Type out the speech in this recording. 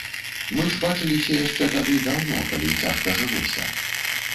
Мы ж бачыліся яшчэ тады даўно, калі цяжка жылося.